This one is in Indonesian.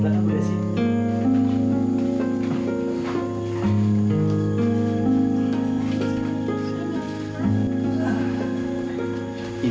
lantang gue sih